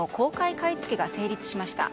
買い付けが成立しました。